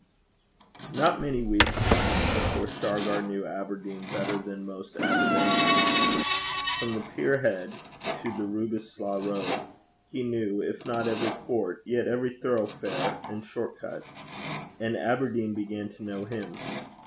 Not many weeks passed before Shargar knew Aberdeen better than most Aberdonians. From the Pier head to the Rubislaw Road, he knew, if not every court, yet every thoroughfare and short cut. And Aberdeen began to know him.